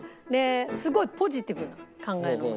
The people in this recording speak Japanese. すごいポジティブな考えの持ち主で。